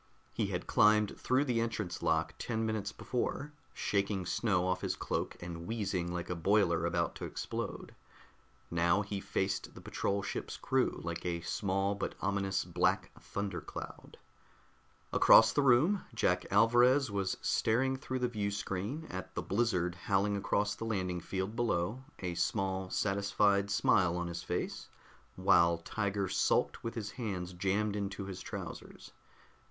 He had climbed through the entrance lock ten minutes before, shaking snow off his cloak and wheezing like a boiler about to explode; now he faced the patrol ship's crew like a small but ominous black thundercloud. Across the room, Jack Alvarez was staring through the viewscreen at the blizzard howling across the landing field below, a small satisfied smile on his face, while Tiger sulked with his hands jammed into his trousers.